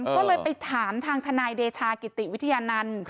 ก็เลยไปถามทางทนายเดชากิติวิทยานันต์